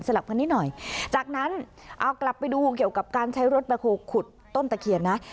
กันนิดหน่อยจากนั้นเอากลับไปดูเกี่ยวกับการใช้รถแบคโฮลขุดต้นตะเคียนนะ